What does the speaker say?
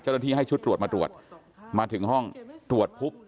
เจ้าหน้าที่ให้ชุดตรวจมาตรวจมาถึงห้องตรวจปุ๊บ